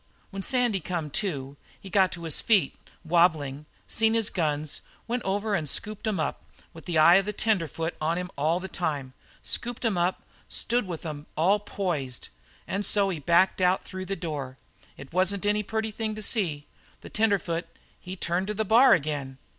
"When Sandy come to he got up to his feet, wobbling seen his guns went over and scooped 'em up, with the eye of the tenderfoot on him all the time scooped 'em up stood with 'em all poised and so he backed out through the door. It wasn't any pretty thing to see. The tenderfoot, he turned to the bar again.